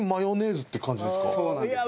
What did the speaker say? そうなんですよ。